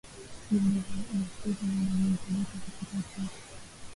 Vyombo na vifaa vinavyahitajika kupika keki